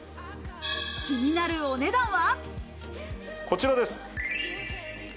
気になるお値段は。